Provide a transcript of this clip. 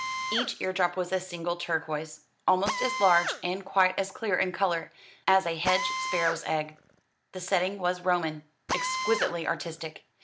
Each eardrop was a single turquoise, almost as large, and quite as clear in colour, as a hedge sparrow's egg. The setting was Roman, exquisitely artistic.